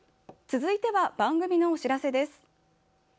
続いては番組のお知らせです。